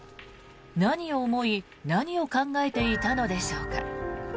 何を思い何を考えていたのでしょうか。